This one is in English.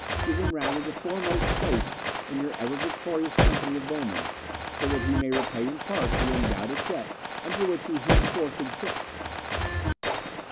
Give him rather the foremost place in your ever victorious company of bowmen, so that he may repay in part the undoubted debt under which he henceforth exists."